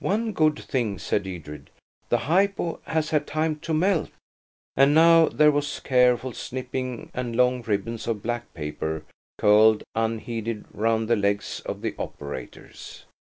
"One good thing," said Edred, "the hypo has had time to melt." And now there was careful snipping, and long ribbons of black paper curled unheeded round the legs of the operators.